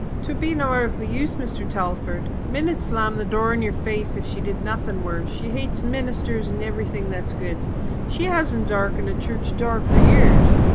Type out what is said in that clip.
"'Twould be no airthly use, Mr. Telford. Min'd slam the door in your face if she did nothing worse. She hates ministers and everything that's good. She hasn't darkened a church door for years.